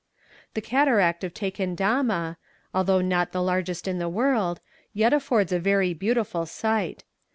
The cataract of Tequendama, although not the largest in the world, yet affords a very beautiful sight.